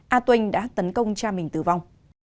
a tuyênh đã tấn công cha mình tử vong